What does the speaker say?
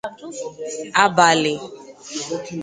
abali